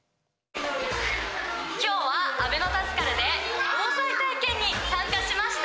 今日はあべのタスカルで防災体験に参加しました！